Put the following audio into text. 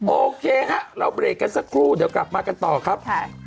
โอเคฮะเราเบรกกันสักครู่เดี๋ยวกลับมากันต่อครับ